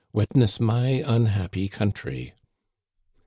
Witness my unhappy country."